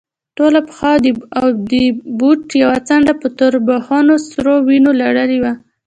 ټوله پښه او د بوټ يوه څنډه په توربخونو سرو وينو لړلې وه.